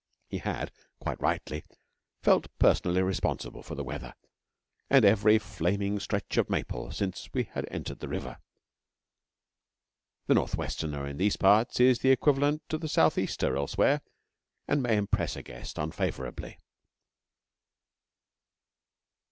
He had, quite rightly, felt personally responsible for the weather, and every flaming stretch of maple since we had entered the river. (The North wester in these parts is equivalent to the South easter elsewhere, and may impress a guest unfavourably.)